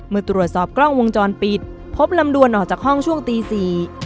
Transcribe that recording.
เมื่อตรวจสอบกล้องวงจรปิดพบลำดวนออกจากห้องช่วงตีสี่